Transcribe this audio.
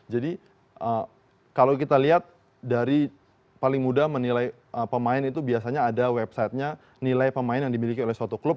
jadi kalau kita lihat dari paling muda menilai pemain itu biasanya ada websitenya nilai pemain yang dimiliki oleh suatu klub